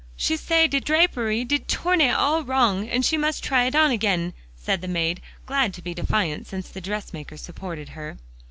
"She say de drapery de tournure all wrong, and she must try it on again," said the maid, glad to be defiant, since the dressmaker supported her.